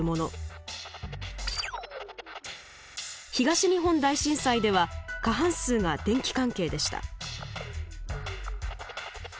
東日本大震災では過半数が電気関係でした。